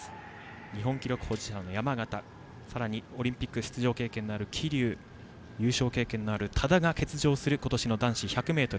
日本記録保持者の山縣さらに、オリンピックの出場経験のある桐生優勝経験のある多田が欠場している今年の男子１００ｍ。